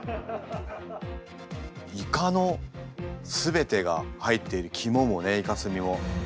イカの全てが入っているキモもねイカスミも。